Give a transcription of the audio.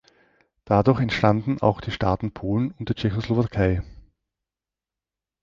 Dadurch entstanden auch die Staaten Polen und die Tschechoslowakei.